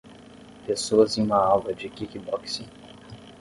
Pessoas em uma aula de kickboxing.